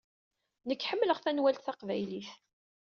Nekk ḥemmleƔ tanwalt taqbaylit.